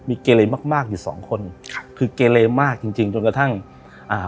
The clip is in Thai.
มีเกเลมากมากอยู่สองคนครับคือเกเลมากจริงจริงจนกระทั่งอ่า